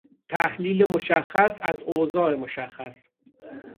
تحلیل مشخص از اوضاع مشخص